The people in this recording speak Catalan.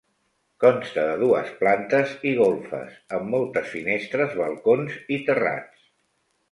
Consta de dues plantes i golfes, amb moltes finestres, balcons i terrats.